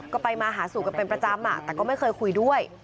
ก็ไปมาหาสู่กันเป็นประจำแต่ก็ไม่เคยคุยด้วย